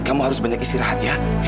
kamu harus banyak istirahat ya